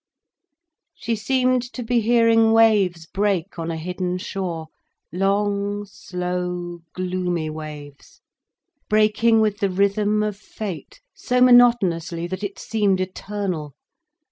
She seemed to be hearing waves break on a hidden shore, long, slow, gloomy waves, breaking with the rhythm of fate, so monotonously that it seemed eternal.